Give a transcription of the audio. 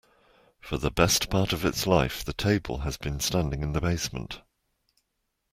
For the best part of its life, the table has been standing in the basement.